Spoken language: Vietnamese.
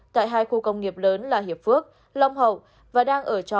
tại hai khu công nghiệp lớn là hiệp phước long hậu